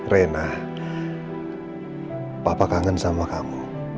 rena papa kangen sama kamu